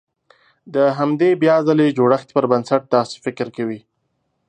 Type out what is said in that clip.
د همدې بيا ځلې جوړښت پر بنسټ داسې فکر کوي.